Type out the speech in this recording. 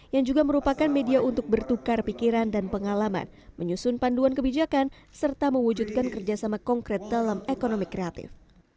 yang juga merupakan media untuk bertukar pikiran dan pengalaman menyusun panduan kebijakan serta mewujudkan kerjasama konkret dalam ekonomi kreatif